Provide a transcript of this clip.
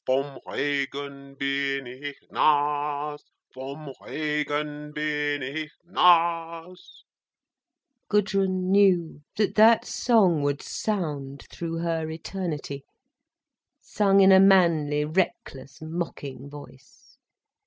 Vom Regen bin ich nass Vom Regen bin ich nass—" Gudrun knew that that song would sound through her eternity, sung in a manly, reckless, mocking voice.